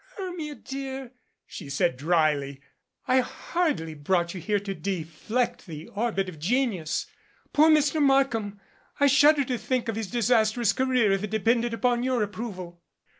"Hermia, dear," she said dryly, "I hardly brought you here to deflect the orbit of genius. Poor Mr. Markham! I shudder to think of his disastrous career if it depended upon your approval."